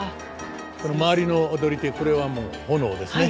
周りの踊り手これは炎ですね。